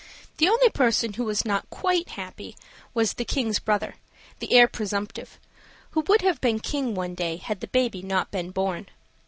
The only person who was not quite happy was the King's brother, the heir presumptive, who would have been king one day had the baby not been born.